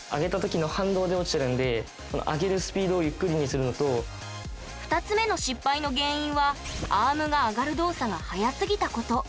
最後のあれは２つ目の失敗の原因はアームが上がる動作が早すぎたこと。